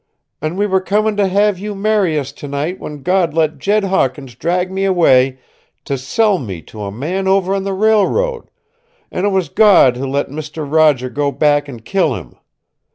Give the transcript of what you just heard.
An' we were coming to have you marry us tonight when God let Jed Hawkins drag me away, to sell me to a man over on the railroad an' it was God who let Mister Roger go back and kill him.